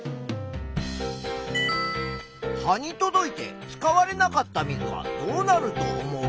葉に届いて使われなかった水はどうなると思う？